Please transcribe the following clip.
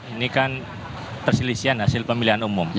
dengan terselisian hasil pemilihan umum